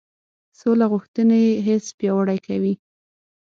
سوله غوښتنې حس پیاوړی کړو.